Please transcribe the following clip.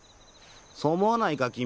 そう思わないか？